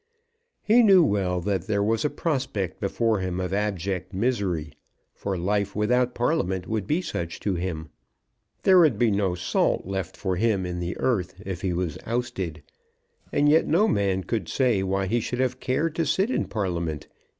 He knew well that there was a prospect before him of abject misery; for life without Parliament would be such to him. There would be no salt left for him in the earth if he was ousted. And yet no man could say why he should have cared to sit in Parliament.